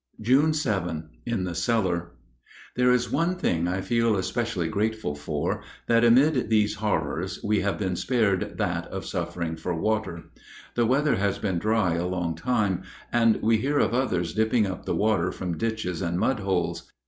June 7. (In the cellar.) There is one thing I feel especially grateful for, that amid these horrors we have been spared that of suffering for water. The weather has been dry a long time, and we hear of others dipping up the water from ditches and mud holes.